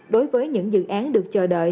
đối với những dự án được chờ đợi